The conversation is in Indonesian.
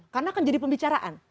karena akan jadi pembicaraan